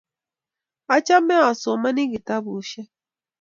achame asomani kitabushek